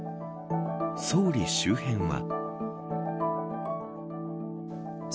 総理周辺は。